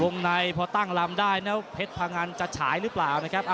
ในพอตั้งลำได้แล้วเพชรพังอันจะฉายหรือเปล่านะครับ